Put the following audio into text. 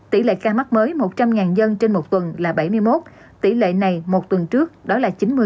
tỷ lệ ca mắc mới một trăm linh dân trên một tuần là bảy mươi một tỷ lệ này một tuần trước đó là chín mươi